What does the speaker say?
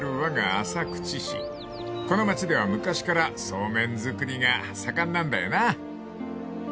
［この町では昔からそうめん作りが盛んなんだよな］